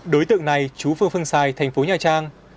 đối tượng này chú phương phương xài thành phố nhà trang